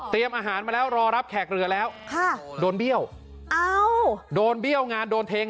เตรียมพร้อมเลยอะ